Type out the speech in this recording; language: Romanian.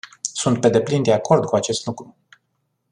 Sunt pe deplin de acord cu acest lucru.